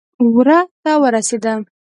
وره ته ورسېده.